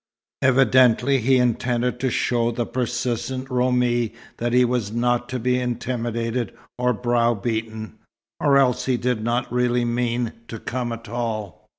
Evidently he intended to show the persistent Roumi that he was not to be intimidated or browbeaten, or else he did not really mean to come at all.